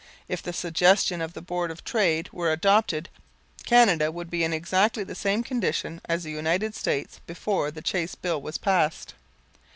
If the suggestion of the Board of Trade were adopted, Canada would be in exactly the same condition as the United States before the Chace Bill was passed.